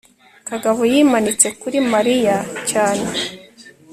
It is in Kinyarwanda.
kagabo yimanitse kuri mariya cyane